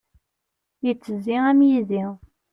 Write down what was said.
Ittezzi am yizi.